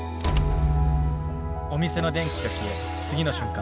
お店の電気が消え次の瞬間。